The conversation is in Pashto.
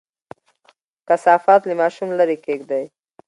کثافات له ماشوم لرې کېږدئ.